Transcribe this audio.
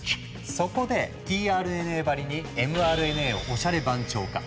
そこでｔＲＮＡばりにｍＲＮＡをおしゃれ番長化。